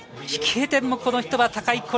飛型点もこの人は高い。